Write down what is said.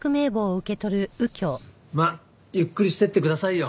まあゆっくりしていってくださいよ。